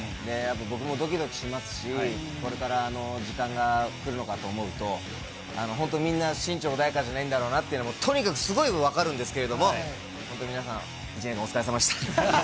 僕もどきどきしますし、これから時間が来るのかと思うと、本当、みんな心中穏やかじゃないんだろうなって、とにかくすごい分かるんですけれども、本当皆さん、１年間、お疲れさまでした。